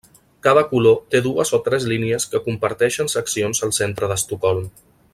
Cada color té dues o tres línies que comparteixen seccions al centre d'Estocolm.